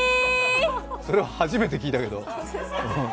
それは初めて聞いたけど。